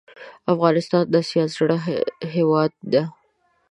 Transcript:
افغانستان د اسیا زړه هیواد ده